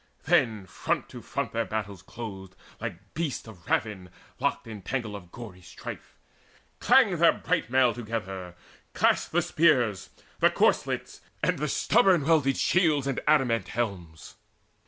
Then front to front their battles closed, like beasts Of ravin, locked in tangle of gory strife. Clanged their bright mail together, clashed the spears, The corslets, and the stubborn welded shields And adamant helms.